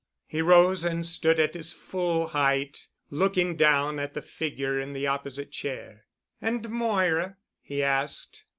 He rose and stood at his full height, looking down at the figure in the opposite chair. "And Moira—?" he asked.